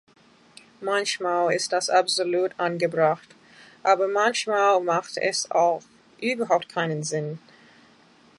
Manchmal ist das absolut angebracht, aber manchmal macht es auch überhaupt keinen Sinn.